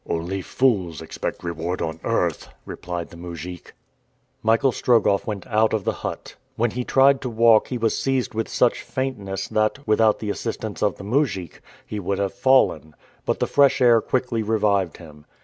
"Only fools expect reward on earth," replied the mujik. Michael Strogoff went out of the hut. When he tried to walk he was seized with such faintness that, without the assistance of the mujik, he would have fallen; but the fresh air quickly revived him.